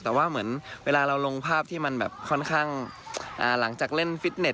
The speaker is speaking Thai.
แต่ว่าเหมือนเวลาเราลงภาพที่มันแบบค่อนข้างหลังจากเล่นฟิตเต็